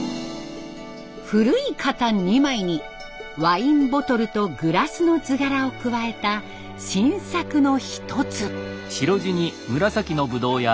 古い型２枚にワインボトルとグラスの図柄を加えた新作の一つ。